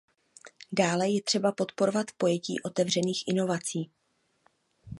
Dále je třeba podporovat pojetí otevřených inovací.